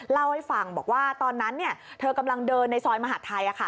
เล่าให้ฟังบอกว่าตอนนั้นเธอกำลังเดินในซอยมหาดไทย